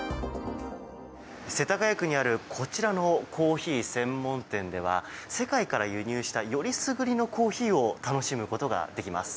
世田谷区にあるこちらのコーヒー専門店では世界から輸入したよりすぐりのコーヒーを楽しむことができます。